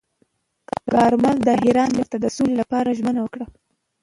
کارمل د ایران مشر ته د سولې لپاره ژمنه وکړه.